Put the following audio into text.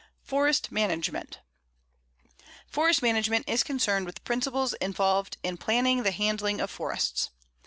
FOREST MANAGEMENT: Forest management is concerned with the principles involved in planning the handling of forests.